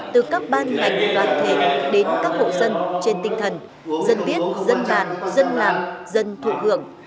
từ các ban ngành đoàn thể đến các hộ dân trên tinh thần dân biết dân bàn dân làm dân thụ hưởng